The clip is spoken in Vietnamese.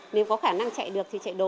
nếu có khả năng chạy được thì chạy đồ